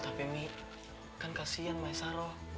tapi mi kan kasihan maesaro